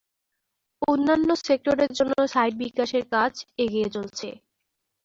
অন্যান্য সেক্টরের জন্য সাইট বিকাশের কাজ এগিয়ে চলছে।